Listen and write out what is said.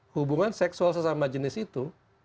hubungan seksual sesama jenis itu